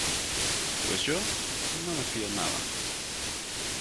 Pues yo, no me fío nada.